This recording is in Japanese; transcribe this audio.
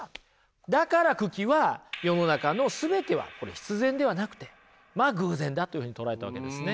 だから九鬼は世の中の全てはこれ必然ではなくてまあ偶然だというふうに捉えたわけですね。